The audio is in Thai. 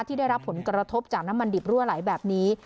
ที่ได้รับผลกระทบจากน้ำมันดิบรั่วไหลแบบนี้